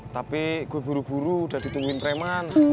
tapi ikut buru buru udah ditungguin preman